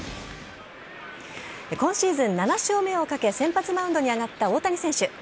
今シーズン７勝目をかけ先発マウンドに上がった大谷選手。